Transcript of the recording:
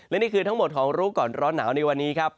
และนี่คือทั้งหมดของรู้ก่อนร้อนหนาวในวันนี้ครับ